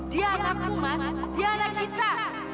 dia anakku mas dia anak kita